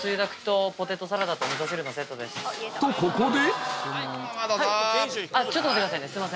とここで！